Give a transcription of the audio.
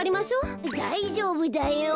だいじょうぶだよ。